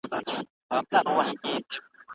درملتونونه چيري موقعیت لري؟